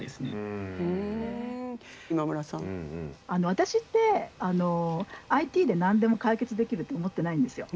私ってＩＴで何でも解決できると思ってないんですよ。